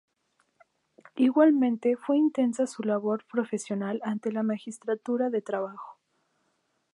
Igualmente fue intensa su labor profesional ante la Magistratura de Trabajo.